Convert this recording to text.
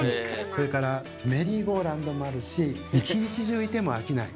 それからメリーゴーラウンドもあるし一日中いても飽きない